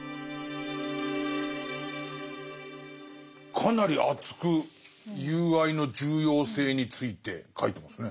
かなり熱く友愛の重要性について書いてますね。